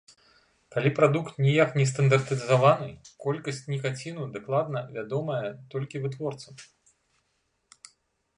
Калі прадукт ніяк не стандартызаваны, колькасць нікаціну дакладна вядомая толькі вытворцам.